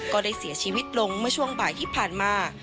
ก็ได้เสียชีวิตลงเมื่อช่วงบ่ายที่ผ่านมา